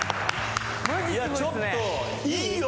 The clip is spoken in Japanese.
ちょっといいよ